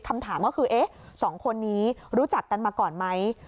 คำถามก็คือเอ๊ะสองคนนี้รู้จักกันมาก่อนไหม